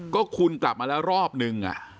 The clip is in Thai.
ก็คุณกลับมาแล้วรอบนึง